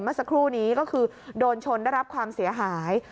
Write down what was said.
เมื่อสักครู่นี้ก็คือโดนชนได้รับความเสียหาย